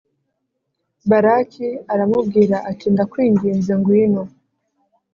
Balaki aramubwira ati Ndakwinginze ngwino